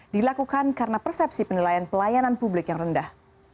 dilakukan karena persepsi penilaian pelayanan publik yang rendah